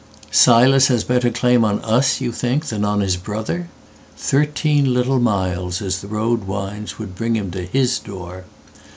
"Silas has better claim on us you thinkThan on his brother? Thirteen little milesAs the road winds would bring him to his door.